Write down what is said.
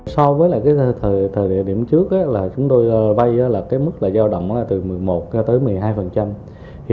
so với thời điểm trước chúng tôi vây mức giao động từ một mươi một tới một mươi hai